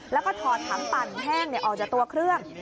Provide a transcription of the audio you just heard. แล้วก็ถอดถังปั่นแห้งออกจากตัวเครื่อง